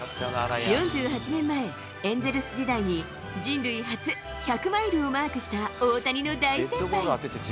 ４８年前、エンゼルス時代に人類初１００マイルをマークした、大谷の大先輩。